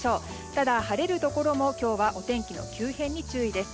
ただ、晴れるところも今日はお天気の急変に注意です。